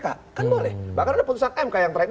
kan boleh bahkan ada putusan mk yang terakhir